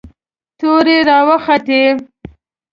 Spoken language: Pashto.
تورې را وختې.